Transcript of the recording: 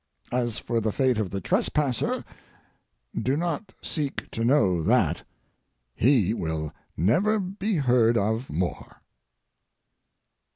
As for the fate of the trespasser, do not seek to know that. He will never be heard of more.